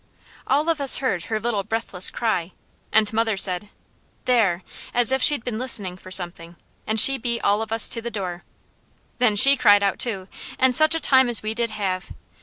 All of us heard her little breathless cry, and mother said, "There!" as if she'd been listening for something, and she beat all of us to the door. Then she cried out too, and such a time as we did have.